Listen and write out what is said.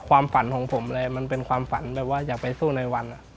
ความฝันของผมก็แค่ว่าอยากไปสู้ในวัน